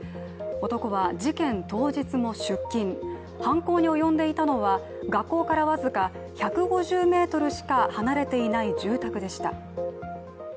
男は事件当日も出勤、犯行に及んでいたのは学校から僅か１５０ｍしか離れていない住宅でした。